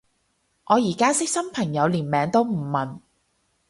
我而家識新朋友連名都唔問